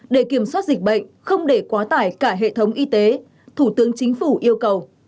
để kiểm soát dịch bệnh không để quá tải cả hệ thống y tế thủ tướng chính phủ yêu cầu